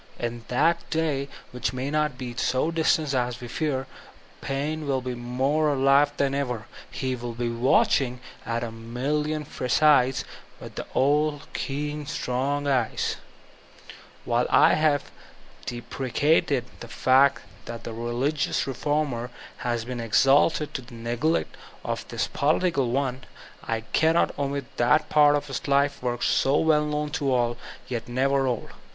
In that day which may not be so distant as we fear, P^ine will be more alive tlum ever; he will be watching at a million firesides with the old keen, strong eyes. Thomas Paine aSi While I htve deprecated the fact that the religioiis re fonner has been exalted to the neglect of the political one, I cannot omit that part of his life work so well known to all, yet never old.